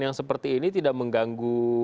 yang seperti ini tidak mengganggu